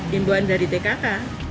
timbuhan dari tkk